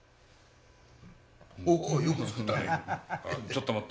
おっこれよく作ったね。